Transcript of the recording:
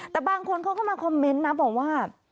แต่บางคนเขาก็มาคอมเมนต์นะบอกว่า